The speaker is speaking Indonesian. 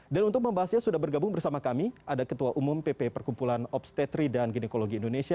dan untuk membahasnya sudah bergabung bersama kami ada ketua umum pp perkumpulan obstetri dan ginekologi indonesia